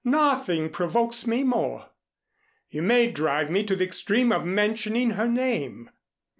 Nothing provokes me more. You may drive me to the extreme of mentioning her name."